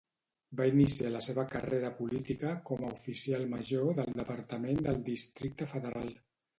Va iniciar la seva carrera política com a oficial major del Departament del Districte Federal.